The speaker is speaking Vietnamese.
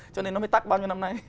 cho nên nó mới tắt bao nhiêu năm nay